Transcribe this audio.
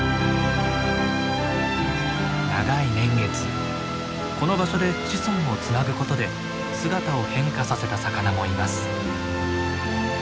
長い年月この場所で子孫をつなぐことで姿を変化させた魚もいます。